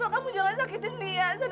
kau jangan sakitin lia zed